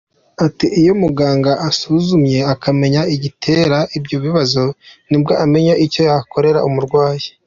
Ati “ Iyo muganga amusuzumye akamenya igitera ibyo bibazo nibwo amenya icyo yakorera umurwayi.